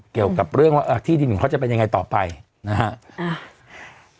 เกี่ยวกับเรื่องว่าที่ดินของเขาจะเป็นยังไงต่อไปนะฮะ